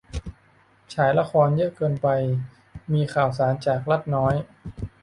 ฉายละครเยอะเกินไป มีข่าวสารจากรัฐน้อย